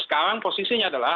sekarang posisinya adalah